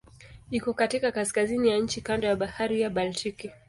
Iko katika kaskazini ya nchi kando la Bahari ya Baltiki.